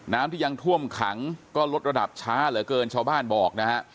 น้ำที่ยังท่วมขังก็ลดระดับช้าเหลือเกินชาวบ้านบอกนะฮะ